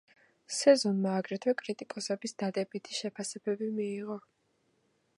სეზონმა აგრეთვე კრიტიკოსების დადებითი შეფასებები მიიღო.